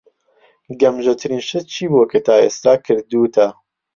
گەمژەترین شت چی بووە کە تا ئێستا کردووتە؟